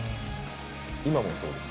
今もそうです。